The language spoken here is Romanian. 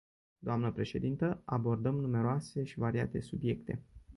Dnă președintă, abordăm numeroase și variate subiecte.